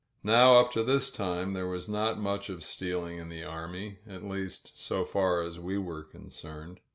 Now up to this time there was not much of stealing in the army — at least so far as we were concerned.